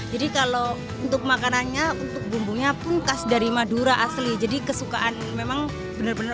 jadi kalau untuk makanannya untuk bumbunya pun khas dari madura asli jadi kesukaan memang bener bener